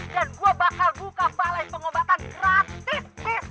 dan gua bakal buka balai pengobatan gratis